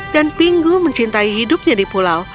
dan pingu mencintai hidupnya di pulau